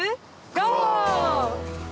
ゴー！